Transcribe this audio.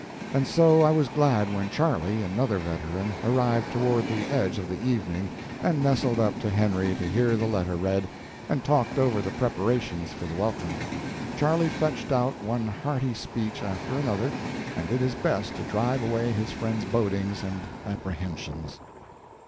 And so I was glad when Charley, another veteran, arrived toward the edge of the evening, and nestled up to Henry to hear the letter read, and talked over the preparations for the welcome. Charley fetched out one hearty speech after another, and did his best to drive away his friend's bodings and apprehensions.